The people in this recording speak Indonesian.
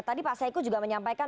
tadi pak saiku juga menyampaikan